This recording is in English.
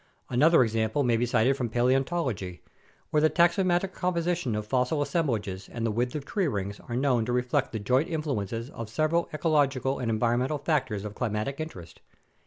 Another example may be cited from paleontology, where the taxo nomic composition of fossil assemblages and the width of tree rings are known to reflect the joint influence of several ecological and en vironmental factors of climatic interest.